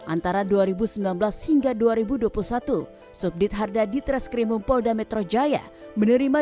antara dua ribu sembilan belas hingga dua ribu dua puluh satu subdit harda ditreskrimum polda metro jaya menerima